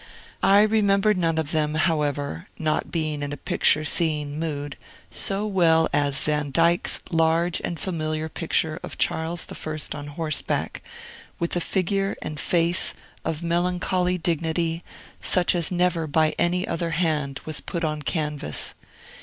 I remember none of then, however (not being in a picture seeing mood), so well as Vandyck's large and familiar picture of Charles I. on horseback, with a figure and face of melancholy dignity such as never by any other hand was put on canvas.